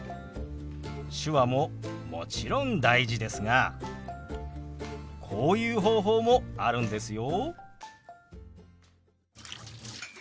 手話ももちろん大事ですがこういう方法もあるんですよ。